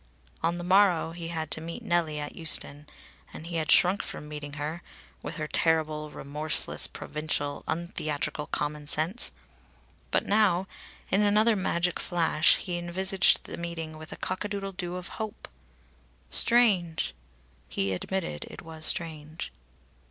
On the morrow he had to meet Nellie at Euston, and he had shrunk from meeting her, with her terrible remorseless, provincial, untheatrical common sense; but now, in another magic flash, he envisaged the meeting with a cock a doodle doo of hope. Strange! He admitted it was strange.